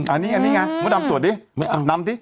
อันนี้ไงมุดำสวดดินำดิ